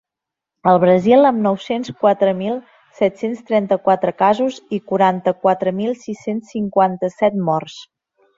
El Brasil, amb nou-cents quatre mil set-cents trenta-quatre casos i quaranta-quatre mil sis-cents cinquanta-set morts.